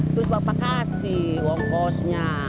terus bapak kasih wongkosnya